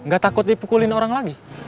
gak takut dipukulin orang lagi